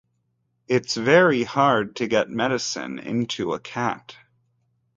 It's very hard to get medicine into a cat.